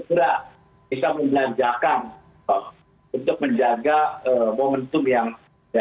lalu kita juga berharap untuk memiliki vaksin